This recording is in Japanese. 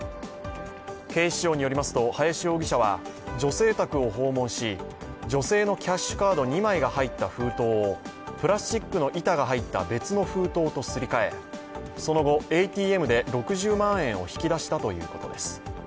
警視庁によりますと、林容疑者は女性宅を訪問し、女性のキャッシュカード２枚が入った封筒をプラスチックの板が入った別の封筒とすり替え、その後、ＡＴＭで６０万円を引き出したということです